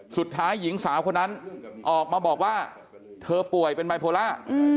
สุดท้ายหญิงสาวคนนั้นออกมาบอกว่าเธอป่วยเป็นไบโพล่า